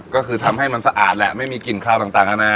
ก็คือทำให้มันสะอาดแหละไม่มีกลิ่นคาวต่างอาณา